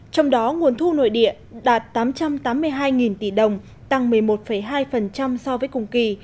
trong đó nguồn thu nội địa đạt tám trăm tám mươi hai tỷ đồng tăng một mươi một hai so với cùng kỳ